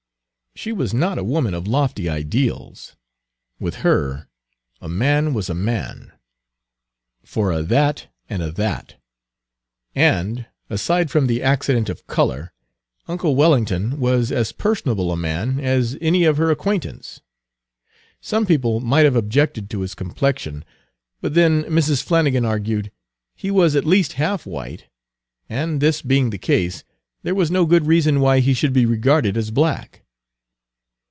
She was not a woman of lofty ideals; with her a man was a man "For a' that an' a' that;" and, aside from the accident of color, uncle Wellington was as personable a man as any of her acquaintance. Some people might have objected to his complexion; but then, Mrs. Flannigan argued, he was at least half white; and, this being the case, there was no good reason why he should be regarded as black.